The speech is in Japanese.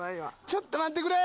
ちょっと待ってくれ！